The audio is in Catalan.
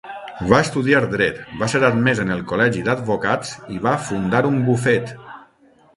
Va estudiar dret, va ser admès en el col·legi d'advocats i va fundar un bufet.